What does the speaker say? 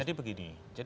jadi begini jadi begini